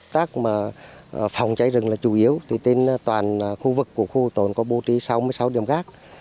các phòng cháy rừng là chủ yếu toàn khu vực của khu tồn có bố trí sáu mươi sáu điểm gác